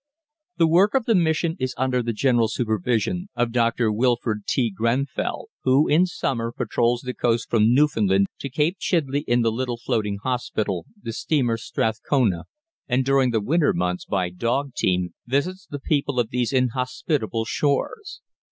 The work of the mission is under the general supervision of Dr. Wilfred T. Grenfell, who, in summer, patrols the coast from Newfoundland to Cape Chidley in the little floating hospital, the steamer Strathcona, and during the winter months, by dog team, visits the people of these inhospitable shores.